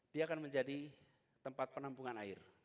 dia akan menjadi tempat penampungan air